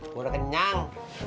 gue udah kenyang